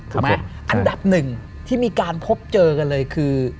อันดับหนึ่งที่มีการพบเจอกันเลยคือ